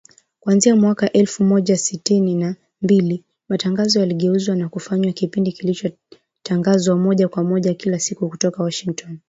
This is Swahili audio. Kuanzia mwaka elfu moja sitini na mbili, matangazo yaligeuzwa na kufanywa kipindi kilichotangazwa moja kwa moja, kila siku kutoka Washington